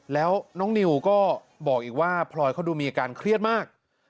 แล้วน้องนิวก็บอกอีกว่าพลอยเขาดูมีอาการเครียดมาก